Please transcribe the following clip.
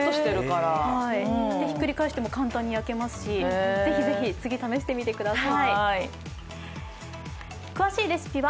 ひっくり返しても簡単に焼けますし、ぜひぜひ、次、試してみてください。